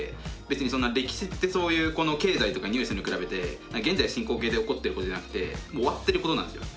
別に歴史ってそういうこの経済とかニュースに比べて現在進行形で起こってることじゃなくて終わってることなんですよ。